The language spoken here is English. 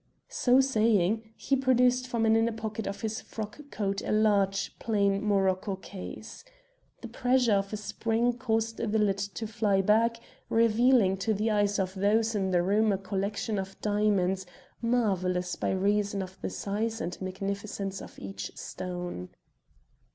So saying, he produced from an inner pocket of his frock coat a large, plain morocco case. The pressure of a spring caused the lid to fly back, revealing to the eyes of those in the room a collection of diamonds marvellous by reason of the size and magnificence of each stone.